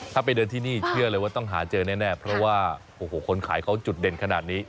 ถ้าไปเดินที่นี่เชื่อเลยว่าต้องหาเจอแน่เพราะว่าโอ้โหคนขายเขาจุดเด่นขนาดนี้